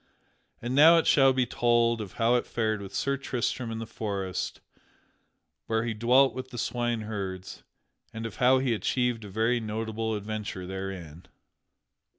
And now it shall be told of how it fared with Sir Tristram in the forest where he dwelt with the swineherds, and of how he achieved a very notable adventure therein.